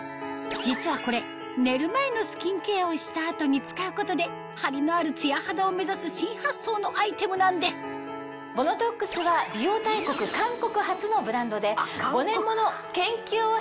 実はこれ寝る前のスキンケアをした後に使うことでハリのあるツヤ肌を目指す新発想のアイテムなんですＢＯＮＯＴＯＸは美容大国韓国発のブランドで。